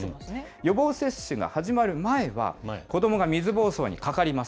予防接種が始まる前は、子どもが水ぼうそうにかかります。